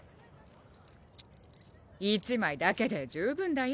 １枚だけで十分だよ。